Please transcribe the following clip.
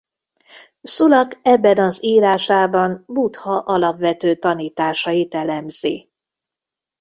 Szulak ebben az írásában Buddha alapvető tanításait elemzi.